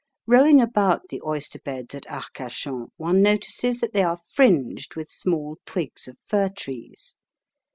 Rowing about the oyster beds at Arcachon one notices that they are fringed with small twigs of fir trees.